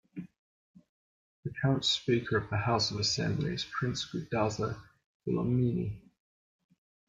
The current Speaker of the House of Assembly is Prince Guduza Dlamini.